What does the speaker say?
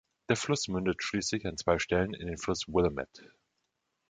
Der Fluss mündet schließlich an zwei Stellen in den Fluss Willamette.